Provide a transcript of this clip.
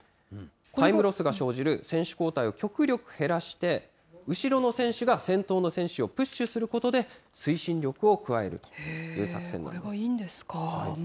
タイムロスが生じる選手交代を極力減らして、後ろの選手が先頭の選手をプッシュすることで、推進力を加えるとこれがいいんですか。